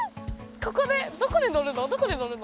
ここでどこで乗るの？